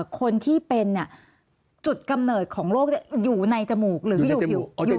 คนที่เป็นจุดกำเนิดของโรคอยู่ในจมูกหรืออยู่